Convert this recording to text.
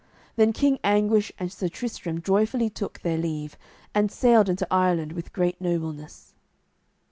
Then King Anguish and Sir Tristram joyfully took their leave, and sailed into Ireland with great nobleness.